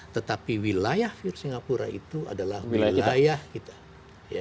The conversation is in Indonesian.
tetapi wilayah view singapura itu adalah wilayah kita